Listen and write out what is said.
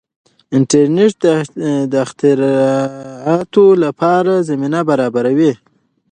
انټرنیټ د اختراعاتو لپاره زمینه برابروي.